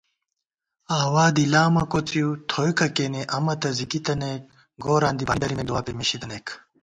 آوادِݪامہ کوڅِؤ تھوئیکہ کېنےامہ تہ زِگی تنَئیک * گوراں دی بانی درِمېک دُعاپېمېشی تنَئیک